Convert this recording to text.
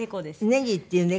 ねぎっていう猫？